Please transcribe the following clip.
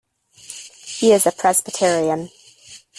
He is a Presbyterian.